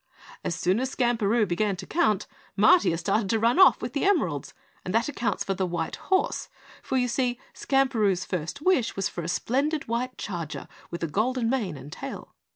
As soon as Skamperoo began to count, Matiah started to run off with the emeralds and that accounts for the white horse, for you see Skamperoo's first wish was for a splendid white charger with a golden mane and tail.